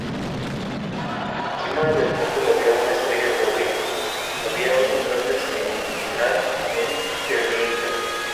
Encima del cartel había una estrella de David, había otro cartel similar en Treblinka.